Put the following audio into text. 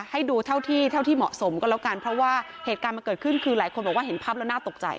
ให้ดูเท่าที่เหมาะสมก็แล้วกันเพราะว่าเหตุการณ์มันเกิดขึ้นคือหลายคนบอกว่าเห็นภาพแล้วน่าตกใจ